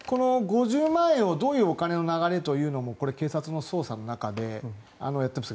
５０万円はどういうお金の流れというのも警察の捜査の中でやってます。